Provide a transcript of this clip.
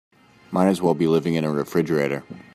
Might as well be living in a refrigerator.